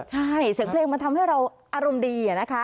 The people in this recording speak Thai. ใช่เสียงเพลงมันทำให้เราอารมณ์ดีนะคะ